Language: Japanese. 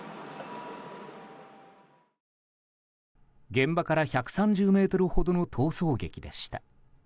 現場から１３０ｍほどの逃走劇でした。